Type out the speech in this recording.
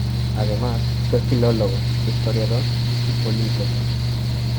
Además, fue filólogo, historiador y políglota.